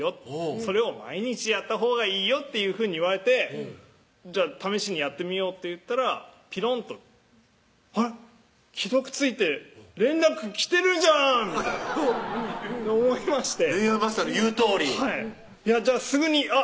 「それを毎日やったほうがいいよ」っていうふうに言われて「じゃあ試しにやってみよう」と言ったらピロンとあれっ既読ついて連絡来てるじゃん！と思いまして恋愛マスターの言うとおりじゃあすぐにあっ